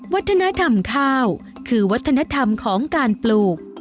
วัฒนธรรมข้าวคือวัฒนธรรมของการปลูก